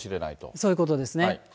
そういうことですね。